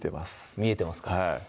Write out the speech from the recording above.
見えてますか